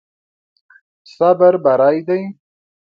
صبر بری دی.